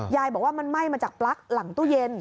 บอกว่ามันไหม้มาจากปลั๊กหลังตู้เย็น